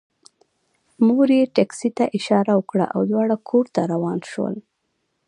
مور یې ټکسي ته اشاره وکړه او دواړه کور ته روان شول